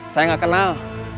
saya gak kenal